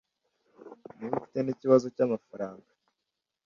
niba ufite n’ikibazo cy’amafaranga